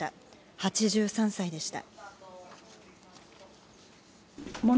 ８３歳でした。